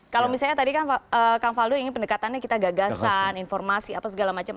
kalau misalnya tadi kan kang faldo ingin pendekatannya kita gagasan informasi apa segala macam